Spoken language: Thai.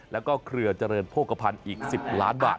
แล้วก็เครือเจริญโภคภัณฑ์อีก๑๐ล้านบาท